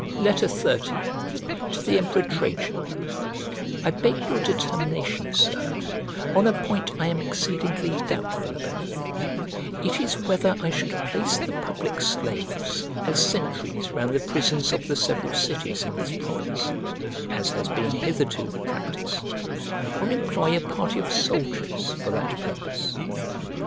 XXX To THE EMPEROR TRAJAN I BEG your determination, Sir, on a point I am exceedingly doubtful about: it is whether I should place the public slaves as sentries round the prisons of the several cities in this province (as has been hitherto the practice) or employ a party of soldiers for that purpose?